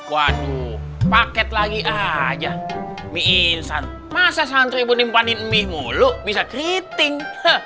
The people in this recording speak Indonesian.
waduh paket lagi aja mie insan masa santri pun nyimpanin mie mulu bisa keriting